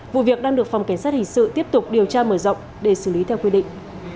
vụ việc đang được phòng cảnh sát hình sự tiếp tục điều tra mở rộng để xử lý theo quy định